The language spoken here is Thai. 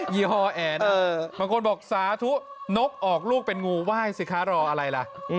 ี่ห้อแอนบางคนบอกสาธุนกออกลูกเป็นงูไหว้สิคะรออะไรล่ะ